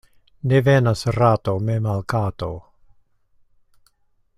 Ne venas rato mem al kato.